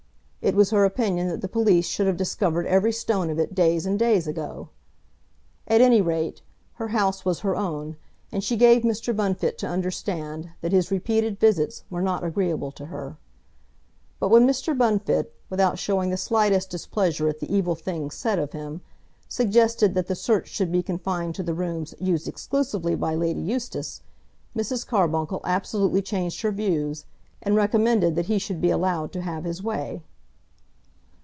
It was her opinion that the police should have discovered every stone of it days and days ago. At any rate, her house was her own, and she gave Mr. Bunfit to understand that his repeated visits were not agreeable to her. But when Mr. Bunfit, without showing the slightest displeasure at the evil things said of him, suggested that the search should be confined to the rooms used exclusively by Lady Eustace, Mrs. Carbuncle absolutely changed her views, and recommended that he should be allowed to have his way.